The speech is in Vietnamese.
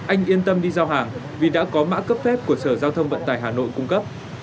anh yên tâm đi giao hàng vì đã có mã cấp phép của sở giao thông vận tải hà nội cung cấp